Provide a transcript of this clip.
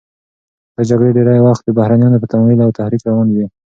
دا جګړې ډېری وخت د بهرنیانو په تمویل او تحریک روانې وې.